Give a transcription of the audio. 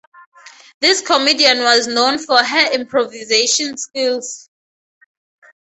This comedian was known for her improvisation skills.